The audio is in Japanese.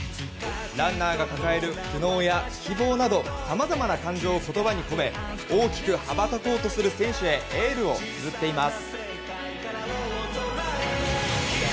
ランナーが抱える苦悩や希望などさまざまな感情を言葉に込め大きく羽ばたこうとする選手へエールをつづっています。